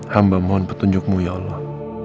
hamba mohon petunjukmu ya allah